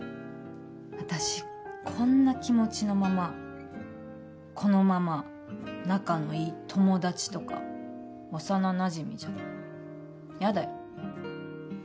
私こんな気持ちのままこのまま仲のいい友達とか幼なじみじゃヤダよ